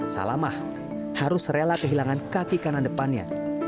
salamah harus rela kehilangan kaki kanan depannya